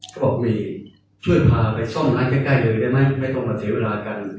เขาบอกมีช่วยพาไปซ่อมร้านใกล้เลยได้ไหมไม่ต้องมาเสียเวลากัน